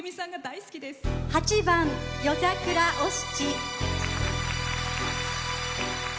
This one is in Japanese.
８番「夜桜お七」。